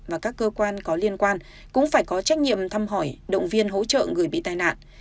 và các cơ quan có liên quan cũng phải có trách nhiệm thăm hỏi động viên hỗ trợ người bị tai nạn